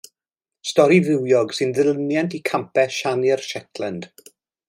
Stori fywiog sy'n ddilyniant i Campau Siani'r Shetland.